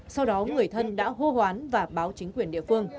sau đó người thân đã hô hoán và báo chính quyền địa phương